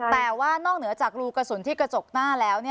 แต่ว่านอกเหนือจากรูกระสุนที่กระจกหน้าแล้ว